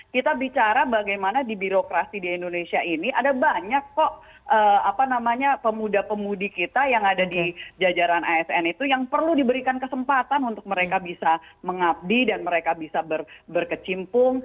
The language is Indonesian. kita bicara bagaimana di birokrasi di indonesia ini ada banyak kok pemuda pemudi kita yang ada di jajaran asn itu yang perlu diberikan kesempatan untuk mereka bisa mengabdi dan mereka bisa berkecimpung